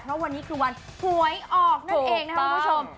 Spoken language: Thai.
เพราะวันนี้คือวันหวยออกนั่นเองนะคะคุณผู้ชมถูกต้อง